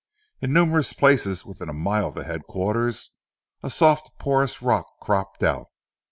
In numerous places within a mile of headquarters, a soft porous rock cropped out.